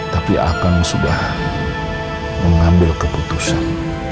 tapi apeng sudah mengambil keputusan